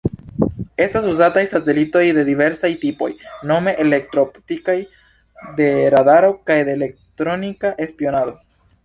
Estas uzataj satelitoj de diversaj tipoj, nome elektro-optikaj, de radaro kaj de elektronika spionado.